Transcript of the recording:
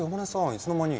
いつの間に。